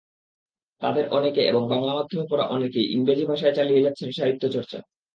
তাঁদের অনেকে এবং বাংলা মাধ্যমে পড়া অনেকেই ইংরেজি ভাষায় চালিয়ে যাচ্ছেন সাহিত্যচর্চা।